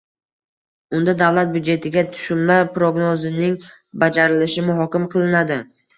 Unda davlat byudjetiga tushumlar prognozining bajarilishi muhokama qilinadi